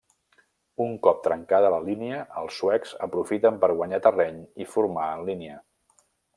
Un cop trencada la línia, els suecs aprofiten per guanyar terreny i formar en línia.